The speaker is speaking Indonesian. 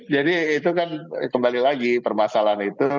itu kan kembali lagi permasalahan itu